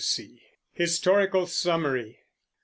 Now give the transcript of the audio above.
HISTORICAL SUMMARY.